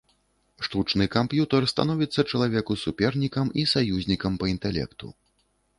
Штучны камп'ютар становіцца чалавеку супернікам і саюзнікам па інтэлекту.